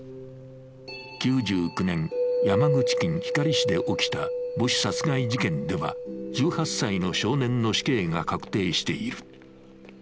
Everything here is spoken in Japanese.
９９年、山口県光市で起きた母子殺害事件では１８歳の少年の死刑が確定している。